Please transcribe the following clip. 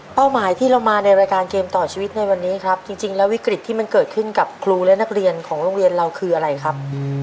หมายที่เรามาในรายการเกมต่อชีวิตในวันนี้ครับจริงแล้ววิกฤตที่มันเกิดขึ้นกับครูและนักเรียนของโรงเรียนเราคืออะไรครับ